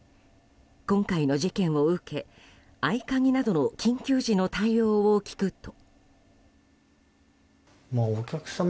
今回の事件を受け、合鍵などの緊急時の対応を聞くと。